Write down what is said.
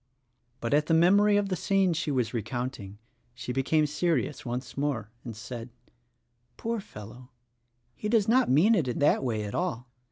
But at the memory of the scene she was recounting she became serious once more and said: "Poor fellow, he does not mean it in that way at all.